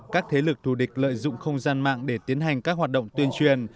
các thế lực thù địch lợi dụng không gian mạng để tiến hành các hoạt động tuyên truyền